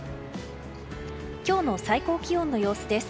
今日の最高気温の様子です。